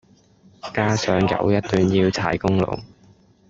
加上有一段要踩公路